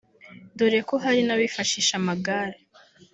dore ko hari n’abifashisha amagare